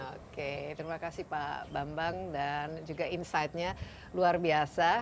oke terima kasih pak bambang dan juga insightnya luar biasa